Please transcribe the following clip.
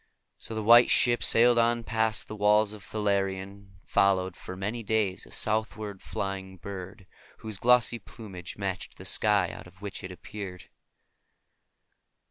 So the White Ship sailed on past the walls of Thalarion, and followed for many days a southward flying bird, whose glossy plumage matched the sky out of which it had appeared.